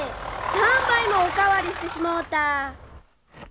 ３杯もおかわりしてしもうた。